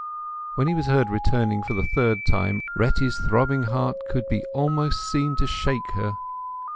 When he was heard returning for the third time Retty's throbbing heart could be almost seen to shake her.